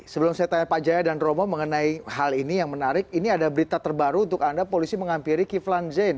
sebelum saya tanya pak jaya dan romo mengenai hal ini yang menarik ini ada berita terbaru untuk anda polisi menghampiri kiflan zain